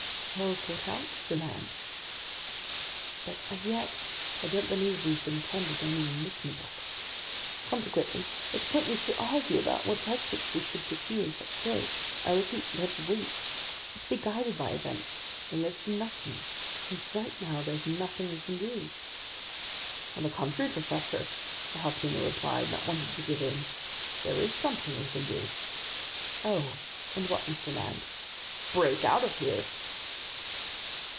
"Well thought out, Mr. Land," I replied. "But as yet, I don't believe we've been tendered any enlistment offers. Consequently, it's pointless to argue about what tactics we should pursue in such a case. I repeat: let's wait, let's be guided by events, and let's do nothing, since right now there's nothing we can do." "On the contrary, professor," the harpooner replied, not wanting to give in. "There is something we can do." "Oh? And what, Mr. Land?" "Break out of here!"